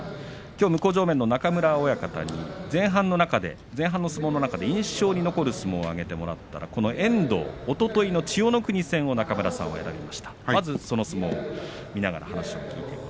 向正面の中村親方に前半の相撲の中で印象に残る相撲を挙げてもらったら遠藤のおとといの千代の国戦を選びました。